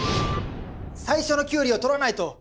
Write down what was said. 最初のキュウリを取らないと！